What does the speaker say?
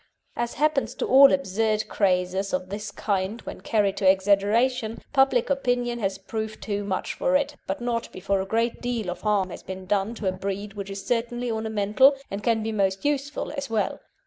As happens to all absurd crazes of this kind when carried to exaggeration, public opinion has proved too much for it, but not before a great deal of harm has been done to a breed which is certainly ornamental, and can be most useful as well.